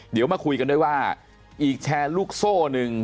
เดี๋ยวมาคุยกันด้วยว่าอีกแชร์ลูกโซ่นึง